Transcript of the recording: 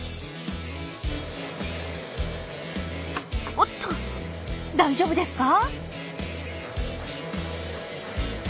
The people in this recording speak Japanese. おっと大丈夫ですか？